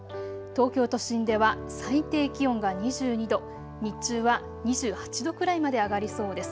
東京都心では最低気温が２２度、日中は２８度くらいまで上がりそうです。